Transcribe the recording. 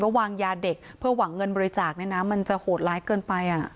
ก็วางยาเด็กเพื่อหวั่งเงินบริจาคมันจะโหดร้ายเกินไป